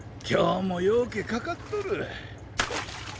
今日もようけかかっとる！